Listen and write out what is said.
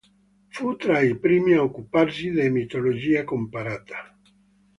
Fu tra i primi a occuparsi di mitologia comparata.